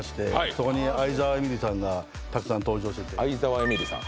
そこに愛沢えみりさんがたくさん登場してて愛沢えみりさん